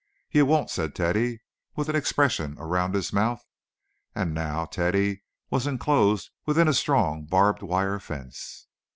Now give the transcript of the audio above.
"You won't," said Teddy, with an expression around his mouth, and—now Teddy was inclosed within a strong barbed wire fence.